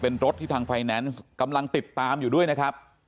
เป็นรถที่ทางไฟแนนซ์กำลังติดตามอยู่ด้วยนะครับ